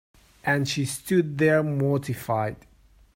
And she stood there mortified.